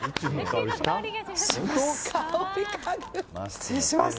失礼します。